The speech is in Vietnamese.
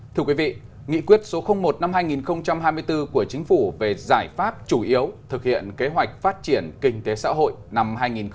thưa quý vị nghị quyết số một năm hai nghìn hai mươi bốn của chính phủ về giải pháp chủ yếu thực hiện kế hoạch phát triển kinh tế xã hội năm hai nghìn hai mươi